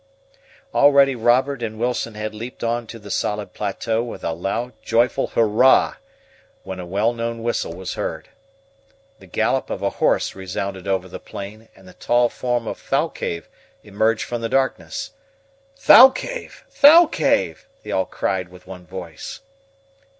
Already Robert and Wilson had leaped on to the solid plateau with a loud, joyful hurrah! when a well known whistle was heard. The gallop of a horse resounded over the plain, and the tall form of Thalcave emerged from the darkness. "Thalcave! Thalcave!" they all cried with one voice.